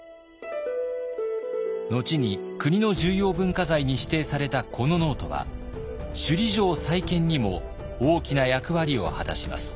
後に国の重要文化財に指定されたこのノートは首里城再建にも大きな役割を果たします。